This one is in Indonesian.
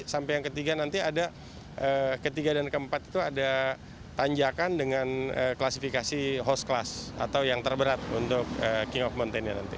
sampai yang ketiga nanti ada ketiga dan keempat itu ada tanjakan dengan klasifikasi host class atau yang terberat untuk king of mountain nya nanti